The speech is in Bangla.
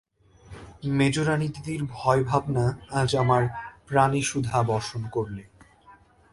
মেজোরানীদিদির ভয়-ভাবনা আজ আমার প্রাণে সুধা বর্ষণ করলে।